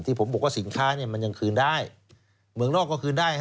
ที่ผมบอกว่าสินค้ามันยังคืนได้เหมือนนอกก็คืนได้